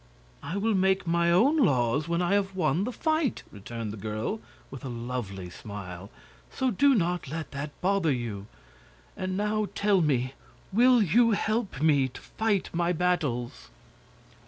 "I will make my own laws when I have won the fight," returned the girl, with a lovely smile; "so do not let that bother you. And now tell me, will you help me to fight my battles?"